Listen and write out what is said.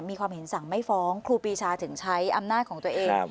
มีความเห็นสั่งไม่ฟ้องครูปีชาถึงใช้อำนาจของตัวเอง